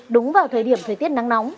đúng vào thời điểm thời tiết nắng nóng